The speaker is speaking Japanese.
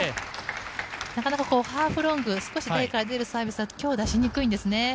なかなかハーフロング少し台から出るサービスだと強打しにくいんですね。